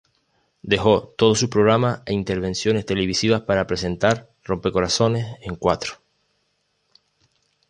Dejó todos sus programas e intervenciones televisivas para presentar "Rompecorazones" en Cuatro.